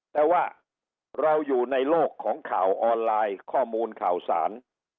แต่ว่าเราอยู่ในโลกของข่าวออนไลน์ข้อมูลข่าวสาร